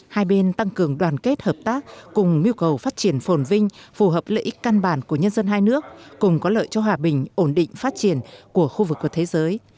hai bên tăng cường đoàn kết hợp tác cùng mưu cầu phát triển phồn vinh phù hợp lợi ích căn bản của nhân dân hai nước cùng có lợi cho hòa bình ổn định phát triển của khu vực và thế giới